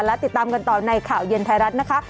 และติดตามกันต่อในข่าวเย็นไทยรัฐนะคะ